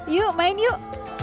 yuk main yuk